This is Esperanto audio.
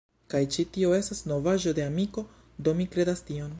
Kaj ĉi tio estas novaĵo de amiko, do mi kredas tion.